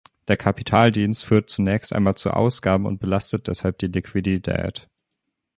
Der Kapitaldienst führt zunächst einmal zu Ausgaben und belastet deshalb die Liquidität.